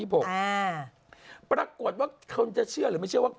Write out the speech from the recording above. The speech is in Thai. ปรากฏว่าคนจะเชื่อหรือไม่เชื่อว่า